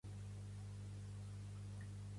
Pertany al moviment independentista la Nadia?